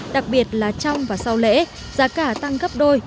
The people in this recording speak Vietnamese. đặc biệt là trong và sau lễ giá cả tăng gấp đôi